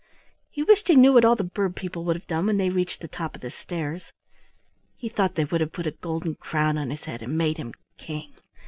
He wished he knew what all the bird people would have done when they reached the top of the stairs. He thought they would have put a golden crown on his head and made him king.